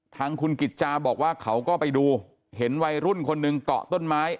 ทางคุณกิจจาบอกว่าเขาก็ไปดูเห็นวัยรุ่นคนหนึ่งเกาะต้นไม้